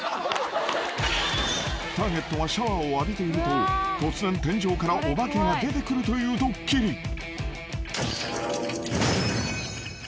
［ターゲットがシャワーを浴びていると突然天井からお化けが出てくるというドッキリ］